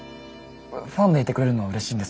ファンでいてくれるのはうれしいんです。